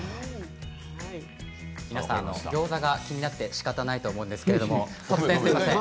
皆さんギョーザが気になってしかたないと思うんですけれども突然すいません。